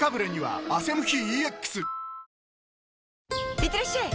いってらっしゃい！